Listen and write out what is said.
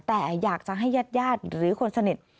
แต่อยากจะให้ญาติญาติหรือคนสนิท